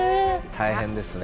大変ですね。